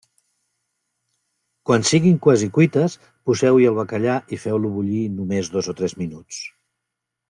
Quan siguin quasi cuites, poseu-hi el bacallà i feu-lo bullir només dos o tres minuts.